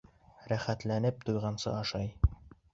Рәхәтләнеп, туйғансы ашай.